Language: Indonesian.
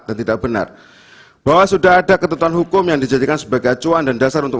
dan tidak benar bahwa sudah ada ketentuan hukum yang dijadikan sebagai acuan dan dasar untuk